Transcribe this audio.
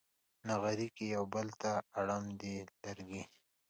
نغري کې یو بل ته اړم دي لرګي